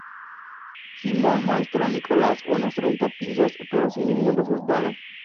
Simon muestra a Nicolas unos treinta pisos, pero sin ningún resultado.